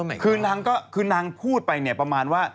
โอ้มายกอดคือนังพูดไปเนี่ยประมาณว่า